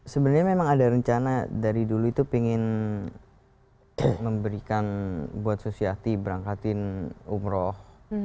sebenarnya memang ada rencana dari dulu itu pengen memberikan buat susiati berangkatin umroh